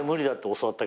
教わった？